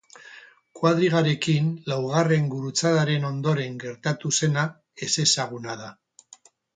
Koadrigarekin, laugarren gurutzadaren ondoren gertatu zena, ezezaguna da.